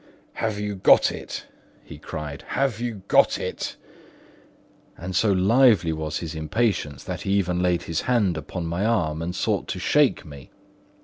"Have you got it?" he cried. "Have you got it?" And so lively was his impatience that he even laid his hand upon my arm and sought to shake me.